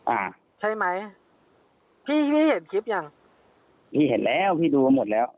อ่าใช่ไหมพี่พี่เห็นคลิปยังพี่เห็นแล้วพี่ดูมาหมดแล้ว